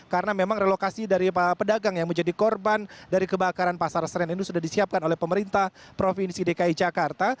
karena memang relokasi dari pedagang yang menjadi korban dari kebakaran pasar seren ini sudah disiapkan oleh pemerintah provinsi dki jakarta